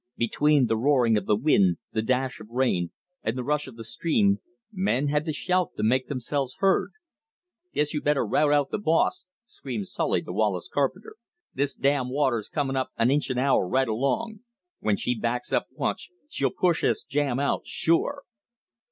Between the roaring of the wind, the dash of rain, and the rush of the stream, men had to shout to make themselves heard. "Guess you'd better rout out the boss," screamed Solly to Wallace Carpenter; "this damn water's comin' up an inch an hour right along. When she backs up once, she'll push this jam out sure."